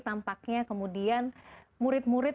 tampaknya kemudian murid murid